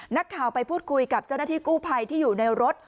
นักข่าวไปพูดคุยกับเจ้าหน้าที่กู้ภัยที่อยู่ในรถ